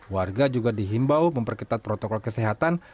warga juga dihimbau memperketat protokol kesehatan